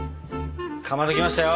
かまどきましたよ。